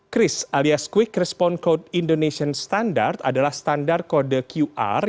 cris alias quick response code indonesian standard adalah standar kode qr yang dikeluarkan